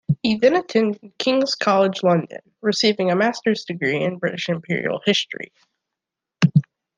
He then attended King's College London, receiving a master's degree in British imperial history.